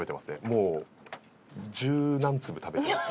もう十何粒食べてます。